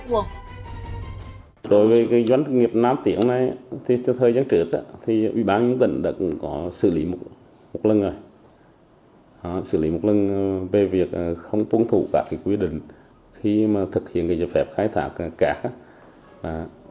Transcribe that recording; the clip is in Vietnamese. ủy ban htnnt đã xử lý một lần về việc không tuân thủ các quy định khi thực hiện giải pháp khai thác cát